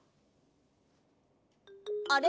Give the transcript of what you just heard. あれ？